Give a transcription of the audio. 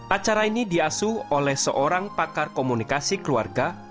acara ini diasuh oleh seorang pakar komunikasi keluarga